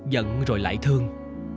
giận rồi lại thương